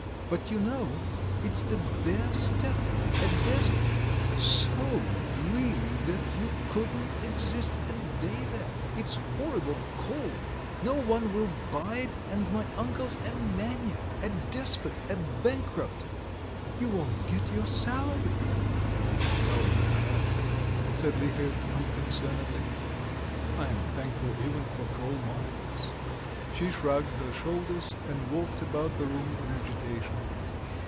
But you know, it's the bare steppe, a desert, so dreary that you couldn't exist a day there! It's horrible coal, no one will buy it, and my uncle's a maniac, a despot, a bankrupt .... You won't get your salary!" "No matter," said Liharev, unconcernedly, "I am thankful even for coal mines." She shrugged her shoulders, and walked about the room in agitation.